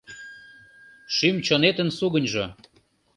— Шӱм-чонетын сугыньжо